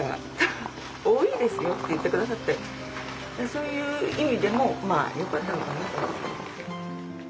そういう意味でもよかったのかなと。